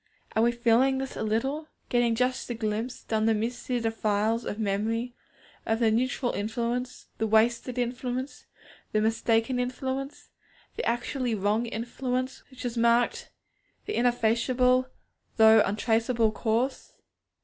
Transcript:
Are we feeling this a little? getting just a glimpse, down the misty defiles of memory, of the neutral influence, the wasted influence, the mistaken influence, the actually wrong influence which has marked the ineffaceable although untraceable course?